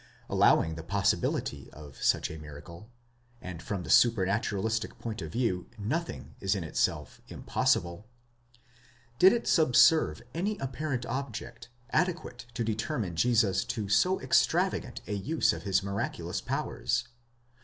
Allowing the possibility of such a miracle (and from the supranaturalistic point of view, nothing is in itself impossible), did it subserve any apparent object, adequate to determine Jesus to so extravagant a use of his miraculous powers?